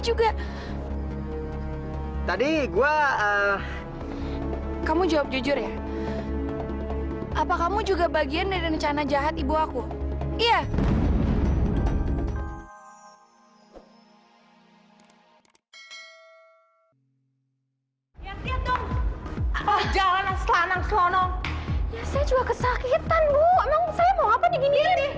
jangan kasih perempuan yang namanya maudie keluar dari hotel ini